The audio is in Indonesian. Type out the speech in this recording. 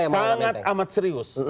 sangat amat serius